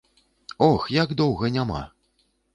Ох, як доўга няма.